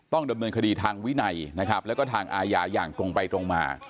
ต้องดำเนินคดีทางวินัยและทางอาญาอย่างตรงไปตรงมา